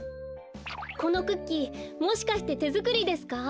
このクッキーもしかしててづくりですか？